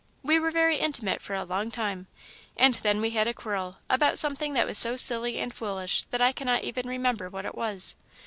We were very intimate for a long time, and then we had a quarrel, about something that was so silly and foolish that I cannot even remember what it was.